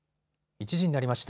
１時になりました。